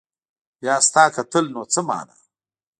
بيا ستا کتل نو څه معنا